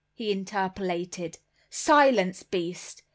he interpolated. "Silence, beast!